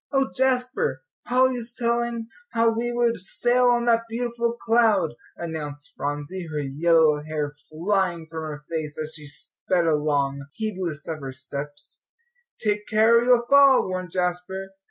"Oh, Jasper, Polly's telling how we would sail on that beautiful cloud," announced Phronsie, her yellow hair flying from her face as she sped along, heedless of her steps. "Take care or you'll fall," warned Jasper.